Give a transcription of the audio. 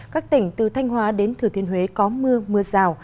các tỉnh từ thanh hóa đến thừa thiên huế có mưa mưa rào